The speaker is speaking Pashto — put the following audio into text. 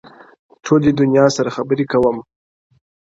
ټولي دنـيـا سره خــبري كـــوم”